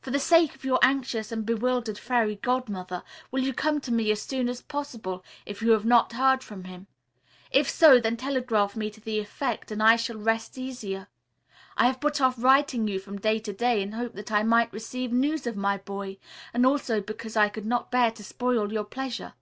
For the sake of your anxious and bewildered Fairy Godmother, will you come to me as soon as possible, if you have not heard from him? If so, then telegraph me to that effect and I shall rest easier. I have put off writing you from day to day, in the hope that I might receive news of my boy, and also because I could not bear to spoil your pleasure.